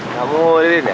kamu dirin ya